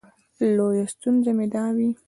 لویه ستونزه مې دا وي.